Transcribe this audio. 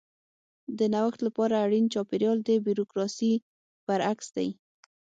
د نوښت لپاره اړین چاپېریال د بیوروکراسي برعکس دی.